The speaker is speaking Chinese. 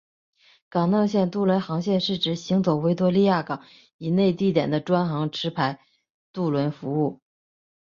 港内线渡轮航线是指行走维多利亚港以内地点的专营持牌渡轮服务。